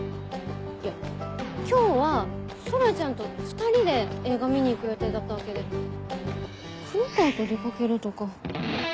今日は空ちゃんと２人で映画見に行く予定だったわけで黒川と出掛けるとか。